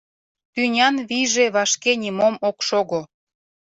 Тӱнян вийже вашке нимом ок шого...